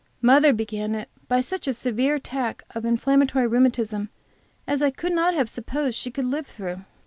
Mother began it by such a severe attack of inflammatory rheumatism as I could not have supposed she could live through.